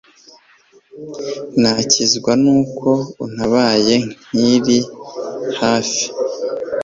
Nakizwa n'uko untabaye nkiri hafi,